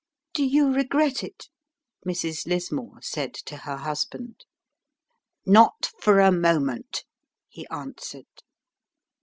"Do you regret it?" Mrs. Lismore said to her husband. "Not for a moment!" he answered.